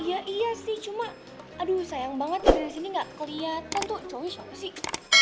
iya iya sih cuma aduh sayang banget dari sini gak keliatan tuh cowoknya siapa sih